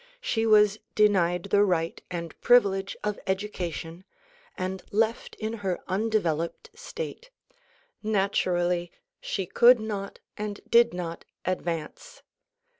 She was denied the right and privilege of education and left in her undeveloped state. Natur ally, she could not and did not advance.